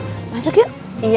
vg musik ia cukup